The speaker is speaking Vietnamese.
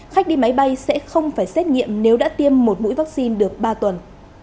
khách đi máy bay sẽ không phải xét nghiệm nếu đã tiêm một mũi vaccine được ba tuần